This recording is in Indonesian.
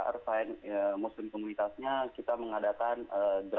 terus muslim komunitasnya kita mengadakan drive thru